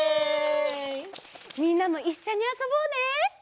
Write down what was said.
みんなもいっしょにあそぼうね！